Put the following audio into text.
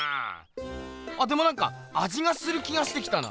でもなんかあじがする気がしてきたな。